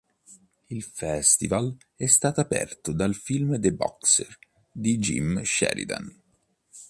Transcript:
Il festival è stato aperto dal film "The Boxer" di Jim Sheridan.